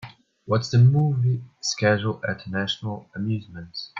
what's the movie schedule at National Amusements